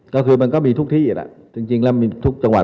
ก็คือมันก็มีทุกที่แหละจริงแล้วมีทุกจังหวัด